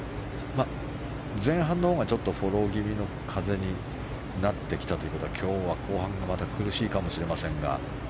前半のほうが、ちょっとフォロー気味の風になってきたということは今日は後半がまた苦しいかもしれませんが。